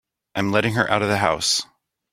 I'm letting her out of the house.